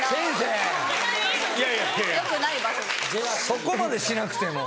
そこまでしなくても。